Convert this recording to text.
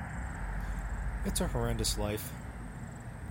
It's a horrendous life.